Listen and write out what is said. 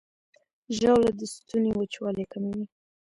ژاوله د ستوني وچوالی کموي.